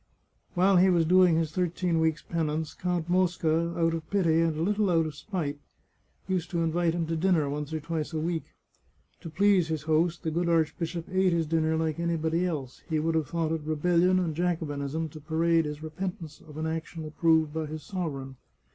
While he was doing his thirteen weeks' penance. Count Mosca, out of pity, and a little out of spite, used to invite him to dinner once or twice a week. To please his host the good arch bishop ate his dinner like anybody else — he would have thought it rebellion and Jacobinism to parade his repentance of an action approved by his sovereign.